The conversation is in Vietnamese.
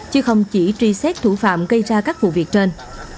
chứ không chỉ truy xét thủ phạm gây ra các vụ việc trên